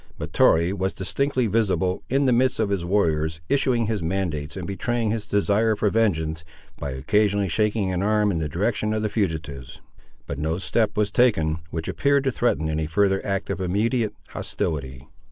Mahtoree was distinctly visible, in the midst of his warriors, issuing his mandates and betraying his desire for vengeance, by occasionally shaking an arm in the direction of the fugitives; but no step was taken, which appeared to threaten any further act of immediate hostility.